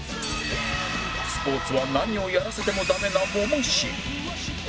スポーツは何をやらせてもダメなモモ神